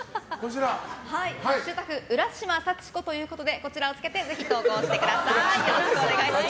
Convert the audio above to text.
「＃浦島幸子」ということでこちらをつけてぜひ投稿してください。